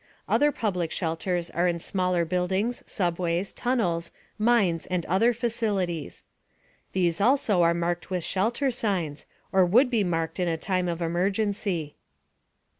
Other public shelters are in smaller buildings, subways, tunnels, mines and other facilities. These also are marked with shelter signs, or would be marked in a time of emergency.